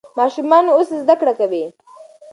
ماشومان اوس زده کړه کوي.